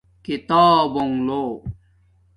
کتابونݣ لو